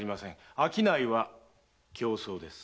商いは競争です。